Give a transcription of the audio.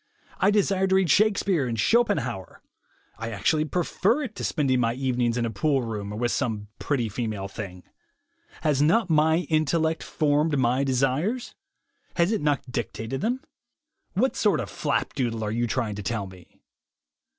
I desire to read Shakespeare and Schopenhauer; I actually prefer it to spending my evenings in a poolroom or with some pretty female thing. Has not my intellect formed my desires? Has not it dictated them? What sort of flapdoodle are you trying to tell me?